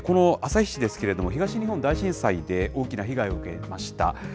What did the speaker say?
この旭市ですけれども、東日本大震災で大きな被害を受けました。